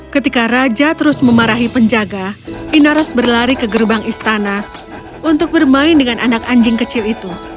ketika raja terus memarahi penjaga inaros berlari ke gerbang istana untuk bermain dengan anak anjing kecil itu